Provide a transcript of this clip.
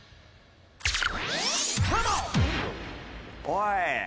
おい。